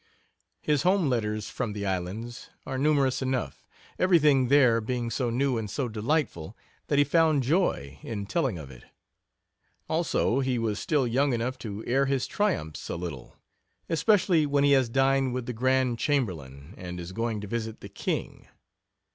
His home letters from the islands are numerous enough; everything there being so new and so delightful that he found joy in telling of it; also, he was still young enough to air his triumphs a little, especially when he has dined with the Grand Chamberlain and is going to visit the King!